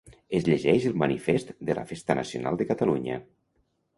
Es llegeix el Manifest de la Festa Nacional de Catalunya.